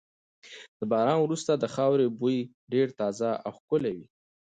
د باران وروسته د خاورې بوی ډېر تازه او ښکلی وي.